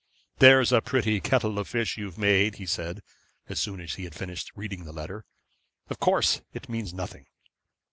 'There's a pretty kettle of fish you've made!' said he as soon as he had finished reading the letter. 'Of course, it means nothing.'